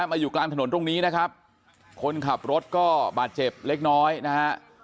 มาอยู่กลางถนนตรงนี้นะครับคนขับรถก็บาดเจ็บเล็กน้อยนะฮะ